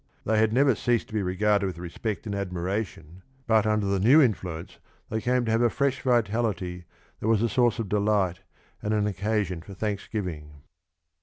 They had never ceased to be regarded with respect and admira tion, but under the new influence they came to have a fresh vitality that was a source of delight and an occasion for thanksgiving.